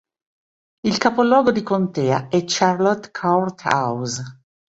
Il capoluogo di contea è Charlotte Court House.